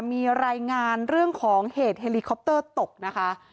มีรายงานเรื่องของเหตุเฮลิคอปเตอร์ตกนะคะ